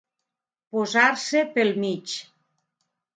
Posar-se pel mig.